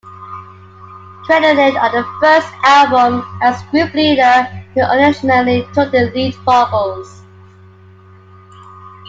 Credited on the first album as "Group Leader", he occasionally took the lead vocals.